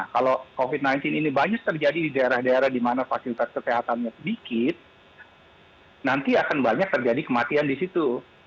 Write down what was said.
kalau covid sembilan belas ini banyak terjadi di daerah daerah di mana fasilitas kesehatannya sedikit nanti akan banyak terjadi kematian di situ